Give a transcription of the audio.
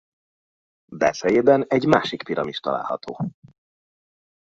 Belsejében egy másik piramis található.